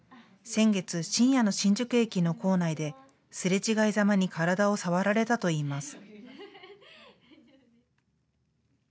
先月、深夜の新宿駅の構内ですれ違いざまに体を触られたといいます。